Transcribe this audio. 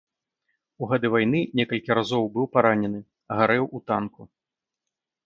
У гады вайны некалькі разоў быў паранены, гарэў у танку.